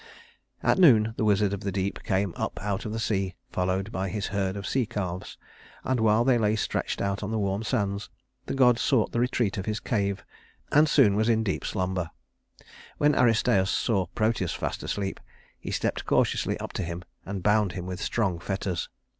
At noon the Wizard of the Deep came up out of the sea, followed by his herd of sea calves; and while they lay stretched out on the warm sands, the god sought the retreat of his cave and soon was in a deep slumber. When Aristæus saw Proteus fast asleep, he stepped cautiously up to him and bound him with strong fetters.